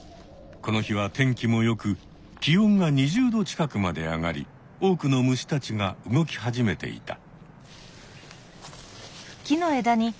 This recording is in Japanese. この日は天気もよく気温が２０℃近くまで上がり多くの虫たちが動き始めていた。